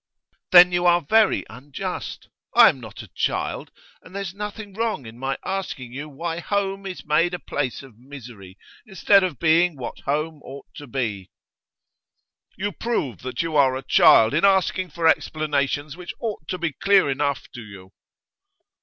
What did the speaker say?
'Then you are very unjust. I am not a child, and there's nothing wrong in my asking you why home is made a place of misery, instead of being what home ought to be.' 'You prove that you are a child, in asking for explanations which ought to be clear enough to you.